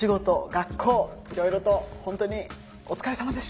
学校いろいろと本当にお疲れさまでした。